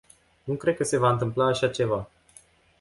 Nu cred că se va întâmpla așa ceva.